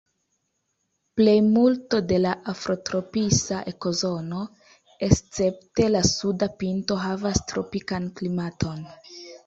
Plejmulto de la afrotropisa ekozono, escepte la suda pinto, havas tropikan klimaton.